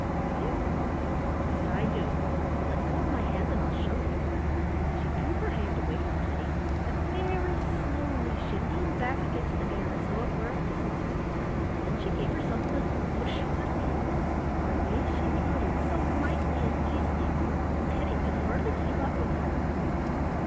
"Do you?" "Yes, I do. Let go of my hand, and I'll show you." She drew her hand away from Teddy, and very slowly she leaned back against the air as though it were a pillow, then she gave herself a little push with her feet, and away she floated so lightly and easily that Teddy could hardly keep up with her.